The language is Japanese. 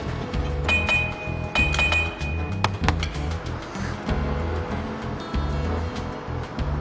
あっ。